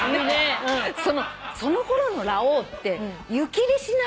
そのころのラ王って湯切りしないと。